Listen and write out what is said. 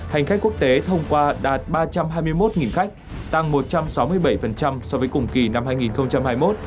hành khách quốc tế thông qua đạt ba trăm hai mươi một khách tăng một trăm sáu mươi bảy so với cùng kỳ năm hai nghìn hai mươi một